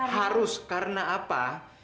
harus karena apa